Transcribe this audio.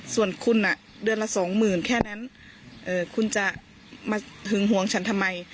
ส่วนคุณเดือนละสองหมื่นแค่นั้นคุณจะมาหึงหวงฉันทำไม